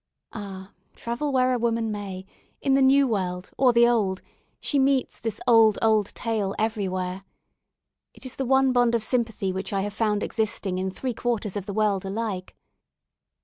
Ah! travel where a woman may, in the New World, or the Old, she meets this old, old tale everywhere. It is the one bond of sympathy which I have found existing in three quarters of the world alike.